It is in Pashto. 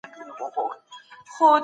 څوک د هېواد د ملي خپلواکۍ ساتنه کوي؟